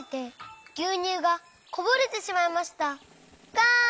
がん！